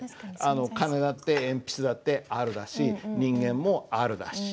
鐘だって鉛筆だって「ある」だし人間も「ある」だし。